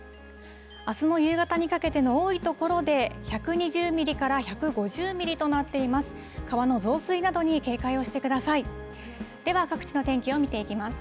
あすの夕方にかけての多い所で１２０ミリから１５０ミリとなっています。